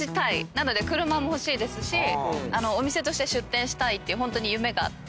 なので車も欲しいですしお店として出店したいっていう夢があって。